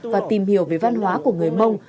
và tìm hiểu về văn hóa của người mông